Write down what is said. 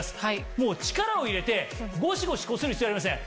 もう力を入れてゴシゴシこする必要はありません。